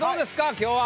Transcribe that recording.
今日は。